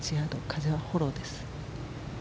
風はフォローです。